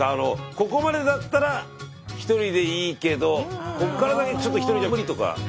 ここまでだったらひとりでいいけどこっから先ちょっとひとりじゃ無理とか。